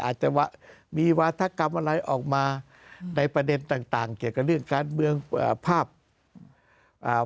อาจจะว่ามีวาธกรรมอะไรออกมาในประเด็นต่างต่างเกี่ยวกับเรื่องการเมืองอ่าภาพอ่า